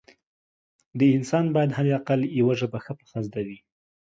د انسان باید حد اقل یوه ژبه ښه پخه زده وي